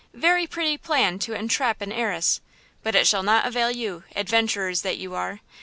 Very pretty plan to entrap an heiress; but it shall not avail you, adventurers that you are!